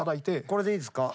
これでいいですか？